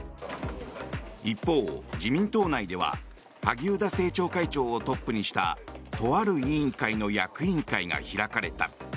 一方、自民党内では萩生田政調会長をトップにしたとある委員会の役員会が開かれた。